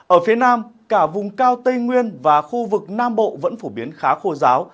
ở phía nam cả vùng cao tây nguyên và khu vực nam bộ vẫn phổ biến khá khô giáo